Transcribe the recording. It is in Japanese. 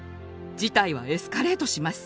事態はエスカレートします。